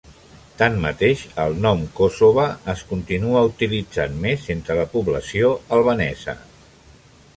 Tanmateix, el nom "Kosova" es continua utilitzant més entre la població albanesa.